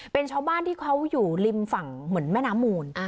เป็นชาวบ้านที่เขาอยู่ริมฝั่งเหมือนแม่น้ำมูล